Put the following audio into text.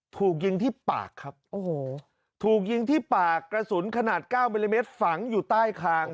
ถูกยิงที่ปากครับโอ้โหถูกยิงที่ปากกระสุนขนาดเก้ามิลลิเมตรฝังอยู่ใต้คาง